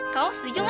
kamu setuju gak